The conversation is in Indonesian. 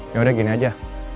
ya udah gini aja